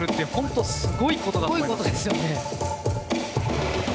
すごいことですよね。